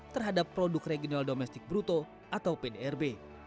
terhadap produk regional domestik bruto atau pdrb